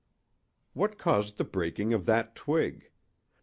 What caused the breaking of that twig?